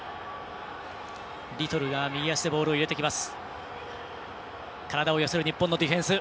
リトルが右足でボールを入れてきます。